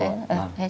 hẹn gặp lại